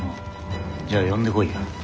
じゃあ呼んでこいよ。